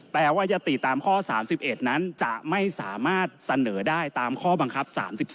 ยติตามข้อ๓๑นั้นจะไม่สามารถเสนอได้ตามข้อบังคับ๓๒